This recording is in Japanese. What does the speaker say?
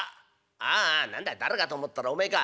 ああ何だい誰かと思ったらおめえか。